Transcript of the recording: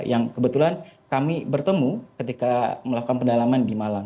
yang kebetulan kami bertemu ketika melakukan pendalaman di malang